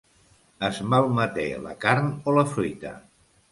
Es malmeté la carn o la fruita.